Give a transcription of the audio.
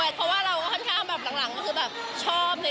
เพราะว่าเราก็ค่อนข้างหลังชอบในเรื่องของการนักสมาธิ